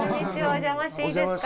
お邪魔していいですか。